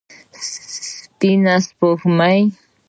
سپينه سپوږمۍ